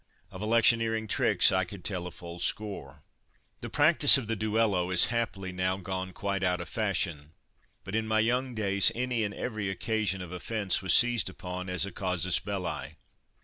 Of electioneering tricks I could tell a full score. The practice of the "Duello" is, happily, now gone quite out of fashion, but in my young days any and every occasion of offence was seized upon as a casus belli.